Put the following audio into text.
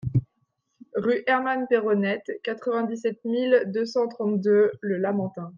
Rue Herman Pérronnette, quatre-vingt-dix-sept mille deux cent trente-deux Le Lamentin